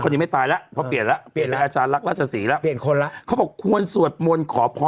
เนี่ยตานางแดงดังเดินมาปุ๊บปังอ่ะ